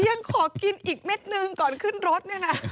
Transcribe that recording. ยังขอกินอีกเม็ดหนึ่งก่อนขึ้นรถเนี่ยนะ